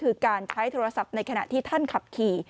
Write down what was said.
คือการใช้โทรศัพท์ในขณะที่ท่านขับขี่